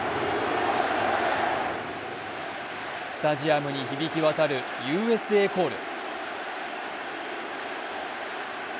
スタジアムに響き渡るＵＳＡコール。